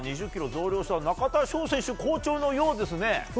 ２０ｋｇ増量した中田選手好調のようですね。